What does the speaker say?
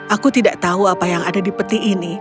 aku tidak tahu apa yang ada di peti ini